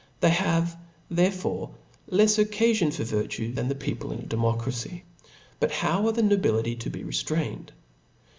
They have^ therefore^ lefs occafion for virtue than the people in a democracy^ But how are the nobility to be reftrained?